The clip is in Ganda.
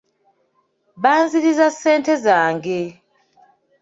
Banzirizza ssente zange.